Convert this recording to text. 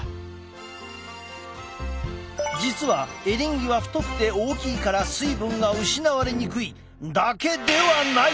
実はエリンギは太くて大きいから水分が失われにくいだけではない！